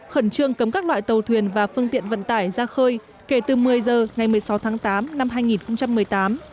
khẩn trương cấm các loại tàu thuyền và phương tiện vận tải ra khơi kể từ một mươi giờ ngày một mươi sáu tháng tám năm hai nghìn một mươi tám